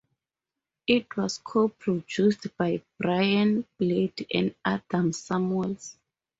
It was co-produced by Brian Blade and Adam Samuels.